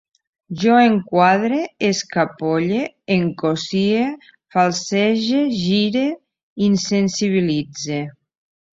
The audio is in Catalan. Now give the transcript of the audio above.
Jo enquadre, escapolle, encossie, falsege, gire, insensibilitze